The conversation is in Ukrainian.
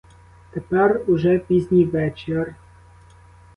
Тепер уже пізній вечір.